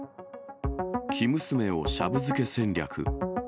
生娘をシャブ漬け戦略。